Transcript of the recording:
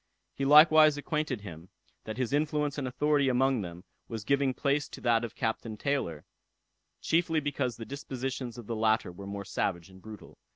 He likewise acquainted him, that his influence and authority among them was giving place to that of Captain Taylor, chiefly because the dispositions of the latter were more savage and brutal.